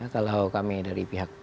kalau kami dari pihak